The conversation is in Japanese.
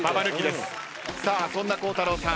そんな孝太郎さん